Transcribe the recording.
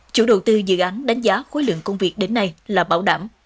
chủ đầu tư dự án đánh giá khối lượng công việc đến nay là bảo đảm